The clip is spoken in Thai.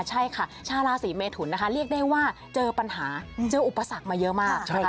ใช่ค่ะชาวราศีเมทุนนะคะเรียกได้ว่าเจอปัญหาเจออุปสรรคมาเยอะมาก